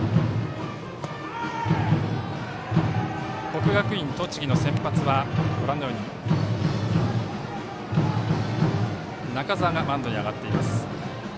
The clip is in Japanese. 国学院栃木の先発は中澤がマウンドに上がっています。